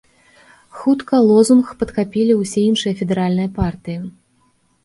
Хутка лозунг падхапілі ўсе іншыя федэральныя партыі.